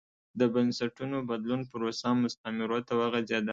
د بنسټونو بدلون پروسه مستعمرو ته وغځېده.